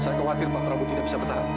saya khawatir pak prabowo tidak bisa bertahan